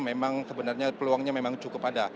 memang sebenarnya peluangnya memang cukup ada